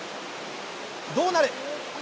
どうなる？